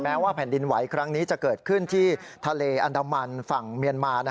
ว่าแผ่นดินไหวครั้งนี้จะเกิดขึ้นที่ทะเลอันดามันฝั่งเมียนมา